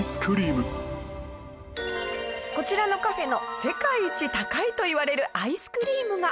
こちらのカフェの世界一高いといわれるアイスクリームが。